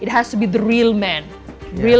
itu harus menjadi laki laki sebenar